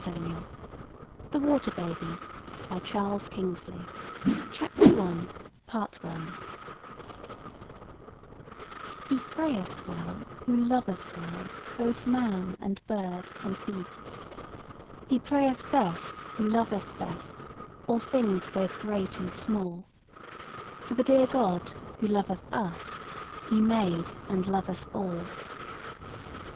[Picture: Water baby and sums] CHAPTER III "He prayeth well who loveth well Both men and bird and beast; He prayeth best who loveth best All things both great and small: For the dear God who loveth us, He made and loveth all."